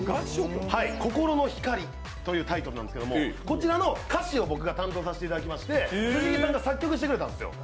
「心の光」というタイトルなんですけどこちらの歌詞を僕が担当して辻井さんが作曲してくれたんですよ。